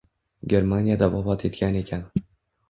Germaniyada vafot etgan ekan.